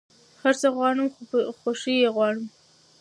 هر څه غواړم خو په خوښی يي غواړم